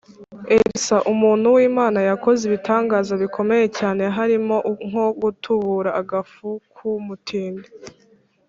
Elisa umuntu w Imana yakoze ibitangaza bikomeye cyane harimo nko gutubura agafu ku mutindi